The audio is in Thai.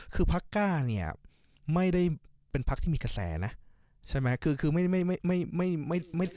คือพักก้าเนี่ยไม่ได้เป็นพักที่มีกระแสนะใช่ไหมคือคือไม่ได้ไม่ไม่ไม่